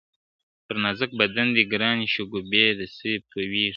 پر نازک بدن دی گرانی شگوفې د سېب تویېږی ,